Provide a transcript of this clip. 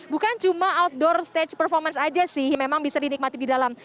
bukan cuma outdoor stage performance aja sih memang bisa dinikmati di dalam